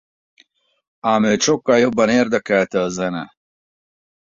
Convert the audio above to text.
Ám őt sokkal jobban érdekelte a zene.